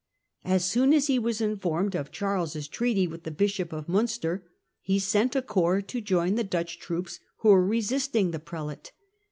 As soon as he was informed of Charles's treaty with the Bishop of Munster he sent a corps to join the Dutch troops who were resisting that Prelate.